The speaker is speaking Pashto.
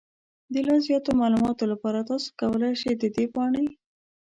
د لا زیاتو معلوماتو لپاره، تاسو کولی شئ د دې پاڼې